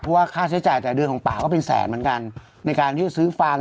เพราะว่าค่าใช้จ่ายแต่เดือนของป่าก็เป็นแสนเหมือนกันในการที่จะซื้อฟาร์ม